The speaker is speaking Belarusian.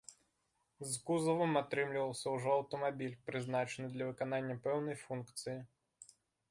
З кузавам атрымліваўся ўжо аўтамабіль, прызначаны для выканання пэўнай функцыі.